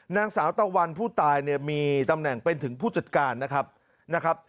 นางสาวตลวนผู้ตายมีตำแหน่งเป็นถึงผู้จัดการนะครับ